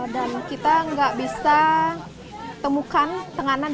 dan kita nggak bisa temukan tenganan di sini